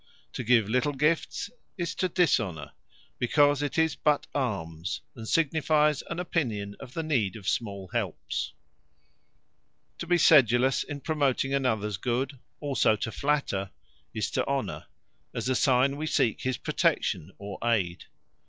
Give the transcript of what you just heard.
To give little gifts, is to Dishonour; because it is but Almes, and signifies an opinion of the need of small helps. To be sedulous in promoting anothers good; also to flatter, is to Honour; as a signe we seek his protection or ayde.